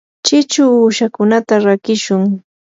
chichu uushakunata rakishun.